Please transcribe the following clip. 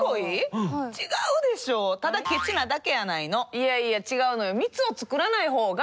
いやいや違うのよ。